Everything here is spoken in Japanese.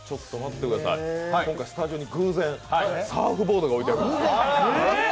今回スタジオに偶然、サーフボードが置いてあります。